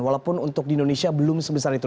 walaupun untuk di indonesia belum sebesar itu